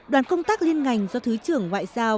đoàn công tác liên ngành do thứ trưởng ngoại giao